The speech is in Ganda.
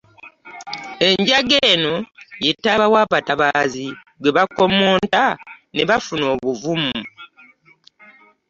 Enjaga eno ye taaba w’abatabaazi gwe bakommonta ne bafuna obuvumu.